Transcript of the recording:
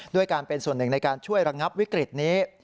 ด้วยการเป็นส่วนหนึ่งในการช่วยระงับวิกฤตนี้